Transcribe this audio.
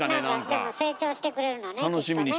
でも成長してくれるのねきっとね。